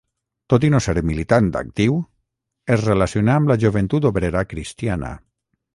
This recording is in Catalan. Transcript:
Tot i no ser-ne militant actiu, es relacionà amb la Joventut Obrera Cristiana.